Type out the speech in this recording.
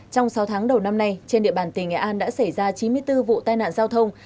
trong sáu tháng đầu năm nay trên địa bàn tỉnh nghệ an đã xảy ra chín mươi bốn vụ tai nạn giao thông